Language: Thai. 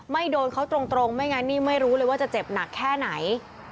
โดนเขาตรงไม่งั้นนี่ไม่รู้เลยว่าจะเจ็บหนักแค่ไหน